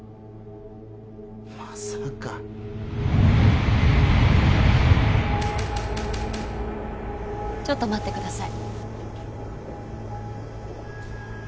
まさかちょっと待ってください